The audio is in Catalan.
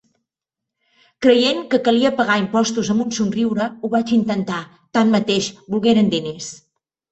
Creient que calia pagar impostos amb un somriure, ho vaig intentar; tanmateix, volgueren diners...